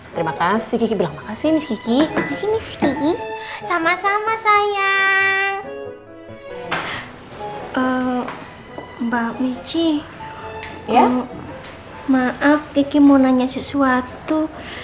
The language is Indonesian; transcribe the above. terima kasih kiki bilang makasih miski sama sama sayang mbak michi ya maaf diki mau nanya sesuatu